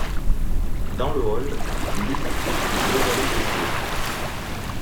Dans le hall, Luc, deux valets de pied.